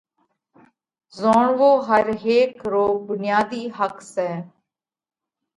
زوڻوو ھر ھيڪ رو ڀڻياڌي حق سئہ۔